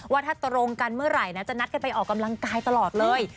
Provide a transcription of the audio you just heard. ว่าถ้าตรงกันเมื่อไหร่นะจะนัดกันไปออกกำลังกายตลอดเลย